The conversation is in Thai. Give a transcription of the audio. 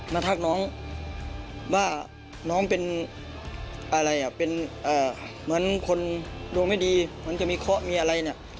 ทักน้องว่าน้องเป็นอะไรอ่ะเป็นเหมือนคนดวงไม่ดีเหมือนจะมีเคาะมีอะไรเนี่ย